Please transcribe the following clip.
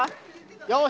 よし。